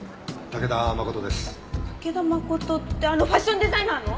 武田誠ってあのファッションデザイナーの！？